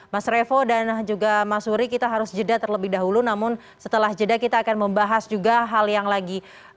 mas revo dan juga mas uri kita harus jeda terlebih dahulu namun setelah jeda kita akan membahas juga hal yang lagi